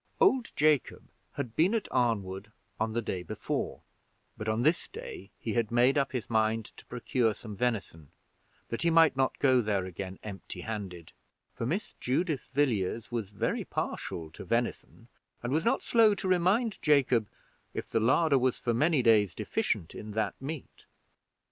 Old Jacob had been at Arnwood on the day before, but on this day he had made up his mind to procure some venison, that he might not go there again empty handed; for Miss Judith Villiers was very partial to venison, and was not slow to remind Jacob, if the larder was for many days deficient in that meat.